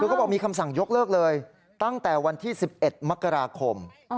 เขาบอกมีคำสั่งยกเลิกเลยตั้งแต่วันที่๑๑มกราคม